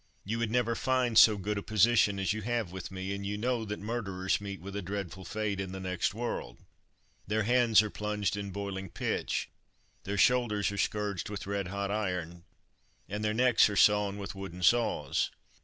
You would never find so good a position as you have with me, and you know that murderers meet with a dreadful fate in the next world. Their hands are plunged in boiling pitch, their shoulders are scourged with red hot iron, and their necks are sawn with wooden saws."